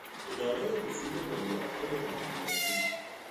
ادارهی وصول مالیاتهای درون مرزی